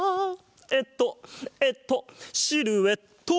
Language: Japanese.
えっとえっとシルエット！